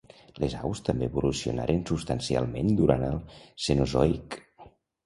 Les aus també evolucionaren substancialment durant el Cenozoic.